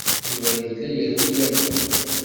Yuba yella yerwi akk.